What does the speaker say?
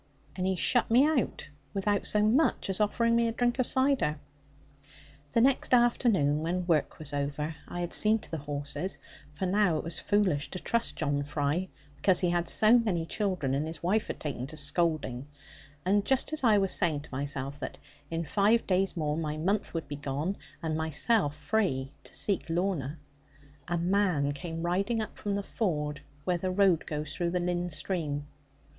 And he shut me out without so much as offering me a drink of cider. The next afternoon, when work was over, I had seen to the horses, for now it was foolish to trust John Fry, because he had so many children, and his wife had taken to scolding; and just as I was saying to myself that in five days more my month would be done, and myself free to seek Lorna, a man came riding up from the ford where the road goes through the Lynn stream.